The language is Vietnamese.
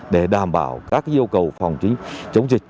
để đảm bảo các yêu cầu phòng chống dịch